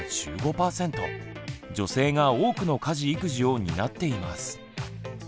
女性が多くの家事育児を担っています。